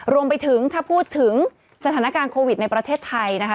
รวมไปถึงถ้าพูดถึงสถานการณ์โควิดในประเทศไทยนะคะ